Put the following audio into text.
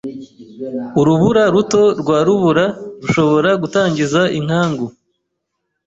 Urubura ruto rwa rubura rushobora gutangiza inkangu.